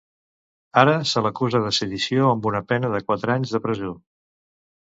Ara se l'acusa de sedició amb una pena de quatre anys de presó.